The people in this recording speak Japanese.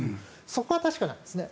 そこは確かなんですね。